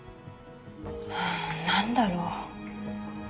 何だろう。